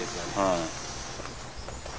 はい。